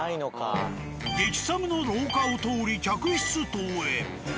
激寒の廊下を通り客室棟へ。